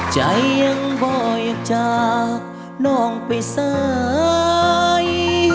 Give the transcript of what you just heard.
ใจยังบ่อยจากน้องไปสาย